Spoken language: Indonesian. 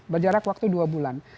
berjarak waktu dua bulan